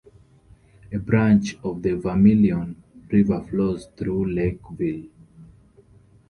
A branch of the Vermillion River flows through Lakeville.